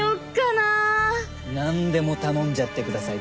なんでも頼んじゃってください。